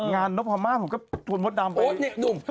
งานนบฟ้ามาม่ะผมก็ทวนมดดำไปโอ้นี่หนุ่ม